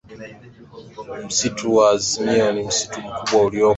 Msitu wa Amazon ni msitu mkubwa uliopo